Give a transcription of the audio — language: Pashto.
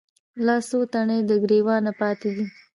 لا څــــو تڼۍ د ګــــــرېوانه پاتـې دي